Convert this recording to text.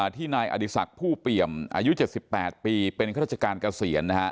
ที่นายอดิษักษ์ผู้เปลี่ยมอายุ๗๘ปีเป็นเพิ่มเจ้าจักรกาเซียน